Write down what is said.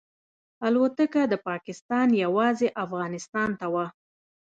الوتکه د پاکستان یوازې افغانستان ته وه.